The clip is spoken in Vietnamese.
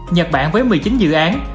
nhật bản với một mươi chín dự án